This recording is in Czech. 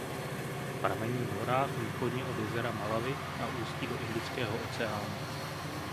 Pramení v horách východně od jezera Malawi a ústí do Indického oceánu.